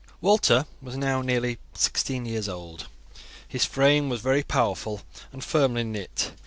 Walter was now nearly sixteen years old. His frame was very powerful and firmly knit.